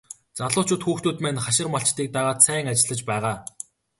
Залуучууд хүүхдүүд маань хашир малчдыг дагаад сайн ажиллаж байгаа.